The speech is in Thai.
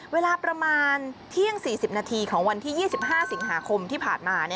เวลาประมาณเที่ยง๔๐นาทีของวันที่๒๕สิงหาคมที่ผ่านมา